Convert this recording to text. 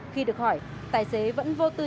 khi được hỏi tài xế vẫn vô tư